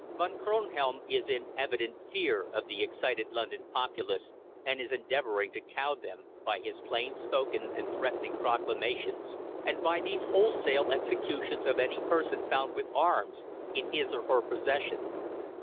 Von Kronhelm is in evident fear of the excited London populace, and is endeavouring to cow them by his plain spoken and threatening proclamations, and by these wholesale executions of any person found with arms in his or her possession.